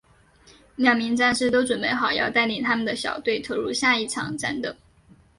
两名战士都准备好要带领他们的小队投入下一场战斗。